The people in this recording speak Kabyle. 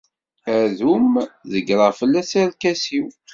Adum, ḍeggreɣ fell-as arkas-iw.